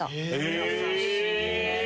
優しいね。